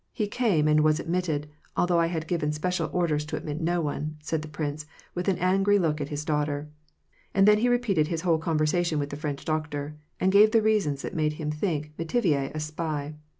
He came, and was admitted, although I had given special orders to admit no one," said the prince, with an angry look at his daughter. And then he repeated his whole conversation with the French doctor, and gave the reasons that made him think M6tivier a spy.